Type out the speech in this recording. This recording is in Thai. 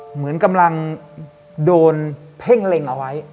เหมือนกำลังโดนเพ่งเล็งเอาไว้